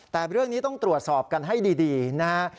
แต่เรื่องนี้ต้องตรวจสอบกันให้ดีนะฮะ